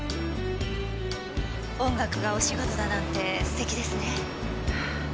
音楽がお仕事だなんて素敵ですね。